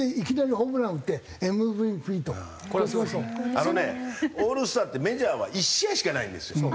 あのねオールスターってメジャーは１試合しかないんですよ。